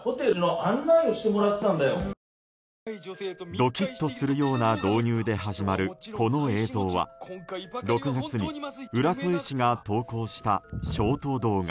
ドキッとするような導入で始まる、この映像は６月に浦添市が投稿したショート動画。